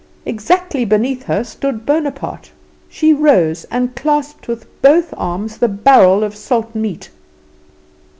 Exactly beneath her stood Bonaparte. She rose and clasped with both arms the barrel of salt meat.